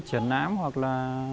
chuyển láp hoặc là